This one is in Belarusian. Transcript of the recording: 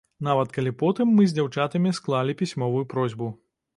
Нават калі потым мы з дзяўчатамі склалі пісьмовую просьбу.